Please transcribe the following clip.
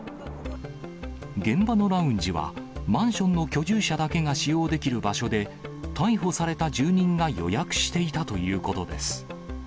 現場のラウンジは、マンションの居住者だけが使用できる場所で、逮捕された住人が予約していたということです。